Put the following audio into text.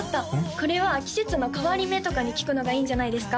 これは季節の変わり目とかに聴くのがいいんじゃないですか？